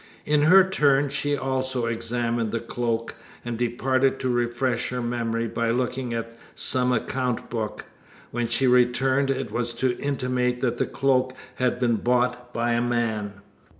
In her turn she also examined the cloak, and departed to refresh her memory by looking at some account book. When she returned it was to intimate that the cloak had been bought by a man.